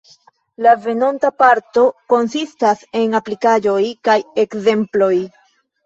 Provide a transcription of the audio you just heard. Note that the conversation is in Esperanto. La venonta parto konsistas en aplikaĵoj kaj ekzemploj.